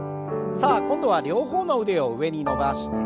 さあ今度は両方の腕を上に伸ばして。